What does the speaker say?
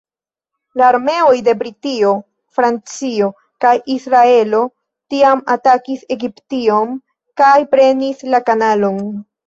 La armeoj de Britio, Francio kaj Israelo tiam atakis Egiption kaj prenis la kanalon.